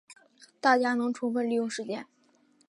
大家能充分利用时间